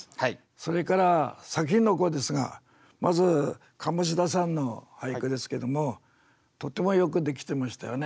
それから作品の方ですがまずカモシダさんの俳句ですけどもとってもよくできてましたよね。